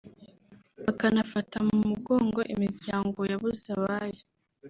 bakanafata mu mugongo imiryango yabuze abayo